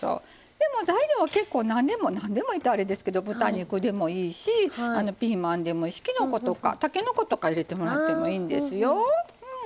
材料は結構なんでもなんでもいいってあれですけど豚肉でもいいしピーマンでもいいしきのことかたけのことか入れてもらってもいいんですよ。